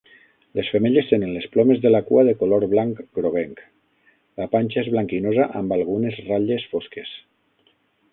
Les femelles tenen les plomes de la cua de color blanc groguenc; la panxa és blanquinosa amb algunes ratlles fosques.